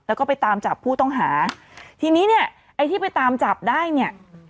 แล้วก็ไปตามจับผู้ต้องหาทีนี้เนี่ยไอ้ที่ไปตามจับได้เนี่ย